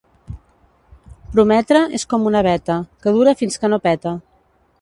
Prometre és com una veta, que dura fins que no peta.